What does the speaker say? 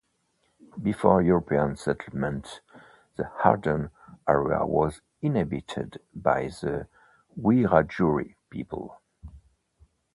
Before European settlement the Harden area was inhabited by the Wiradjuri people.